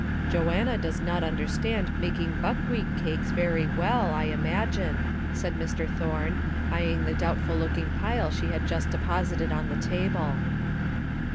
"Joanna does not understand making buckwheat cakes very well, I imagine," said Mr. Thorne, eyeing the doubtful looking pile she had just deposited on the table.